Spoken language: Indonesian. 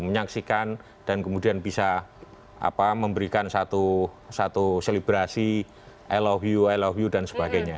menyaksikan dan kemudian bisa memberikan satu selibrasi i love you i love you dan sebagainya